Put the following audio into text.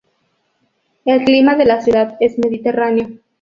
El clima de la ciudad es mediterráneo.